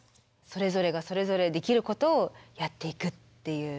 それぞれがそれぞれできることをやっていくっていう。